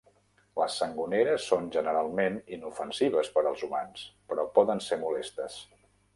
Les sangoneres són generalment inofensives per als humans, però poden ser molestes.